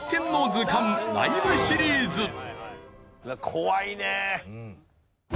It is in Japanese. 怖いねえ。